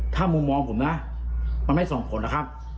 ถ้ามุมมองผมนะมันไม่ส่งผลนะครับ